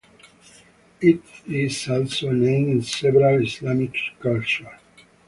It is also a name in several Islamic cultures.